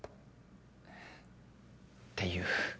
っていう。